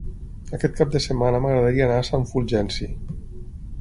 Aquest cap de setmana m'agradaria anar a Sant Fulgenci.